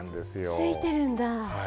ついてるんだ。